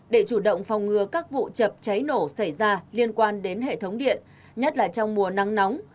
để chủ động phòng ngừa các vụ chập cháy nổ xảy ra liên quan đến hệ thống điện nhất là trong mùa nắng nóng